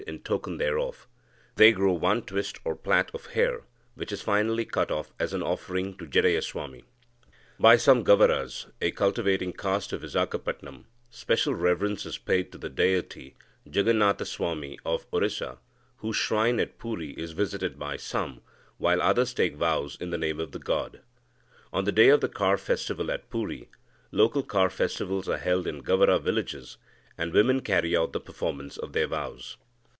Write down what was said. In token thereof, they grow one twist or plait of hair, which is finally cut off as an offering to Jeddayaswami. By some Gavaras (a cultivating caste) of Vizagapatam, special reverence is paid to the deity Jagganathaswami of Orissa, whose shrine at Puri is visited by some, while others take vows in the name of the god. On the day of the car festival at Puri, local car festivals are held in Gavara villages, and women carry out the performance of their vows.